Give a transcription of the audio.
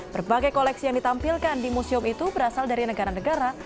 berbagai koleksi yang ditampilkan di museum itu berasal dari negara negara